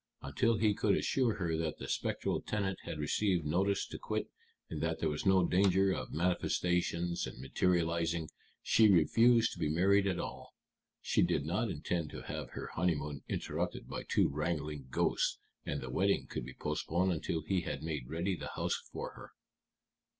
Until he could assure her that the spectral tenant had received notice to quit, and that there was no danger of manifestations and materializing, she refused to be married at all. She did not intend to have her honeymoon interrupted by two wrangling ghosts, and the wedding could be postponed until he had made ready the house for her."